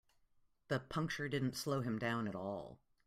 The puncture didn't slow him down at all.